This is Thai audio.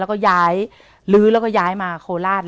แล้วก็ย้ายลื้อแล้วก็ย้ายมาโคราช